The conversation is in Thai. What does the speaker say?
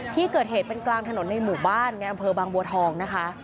ที่เกิดเหตุเป็นกลางถนนในหมู่บ้านในอำเภอบางบัวทองนะคะ